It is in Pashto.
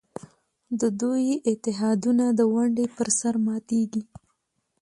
د دوی اتحادونه د ونډې پر سر ماتېږي.